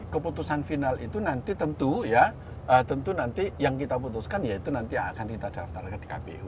keputusan final itu nanti tentu ya tentu nanti yang kita putuskan ya itu nanti yang akan kita daftarkan di kpu